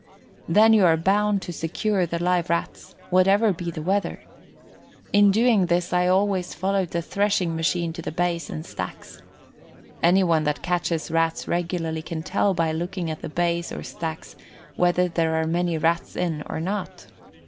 Then you are bound to secure the live Rats, whatever be the weather. In doing this I always followed the threshing machine to the bays and stacks. (Anyone that catches Rats regularly can tell by looking at the bays or stacks whether there are many Rats in or not.)